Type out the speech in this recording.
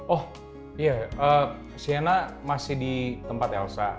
oh iya siana masih di tempat elsa